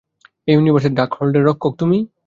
এই ইউনিভার্সের ডার্কহোল্ডের রক্ষক তুমি?